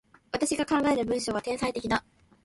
私が考える文章は、天才的だ。